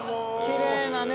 きれいなね。